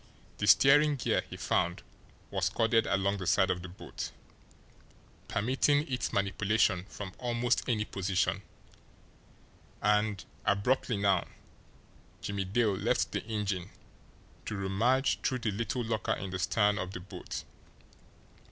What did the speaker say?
The steering gear, he found, was corded along the side of the boat, permitting its manipulation from almost any position, and, abruptly now, Jimmie Dale left the engine to rummage through the little locker in the stern of the boat.